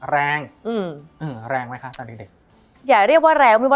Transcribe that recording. มันทำให้ชีวิตผู้มันไปไม่รอด